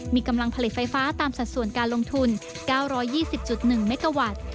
มีกำลังผลิตไฟฟ้าตามสัดส่วนการลงทุน๙๒๐๑เมกาวัตต์